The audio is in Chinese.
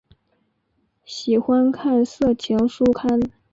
喜欢看色情书刊。